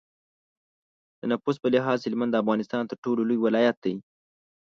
د نفوس په لحاظ هلمند د افغانستان تر ټولو لوی ولایت دی.